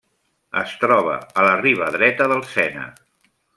Es troba a la Riba Dreta del Sena.